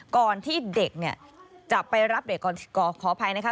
ก่อนที่เด็กเนี่ยจะไปรับเด็กก่อนขออภัยนะคะ